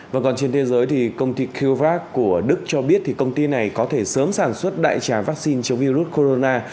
và còn trên thế giới công ty kiovac của đức cho biết công ty này có thể sớm sản xuất đại trả vaccine cho virus corona